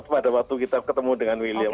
pada waktu kita ketemu dengan william